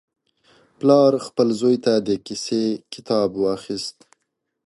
پلار خپل زوی ته د کیسې کتاب واخیست.